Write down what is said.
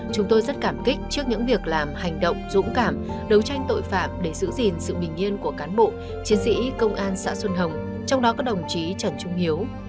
chúng tôi rất cảm kích trước những việc làm hành động dũng cảm đấu tranh tội phạm để giữ gìn sự bình yên của cán bộ chiến sĩ công an xã xuân hồng trong đó có đồng chí trần trung hiếu